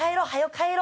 帰ろ。